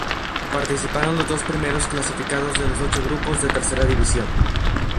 Participaron los dos primeros clasificados de los ocho grupos de Tercera División.